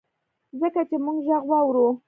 ځکه چي مونږ ږغ واورو